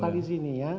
fakta di sini ya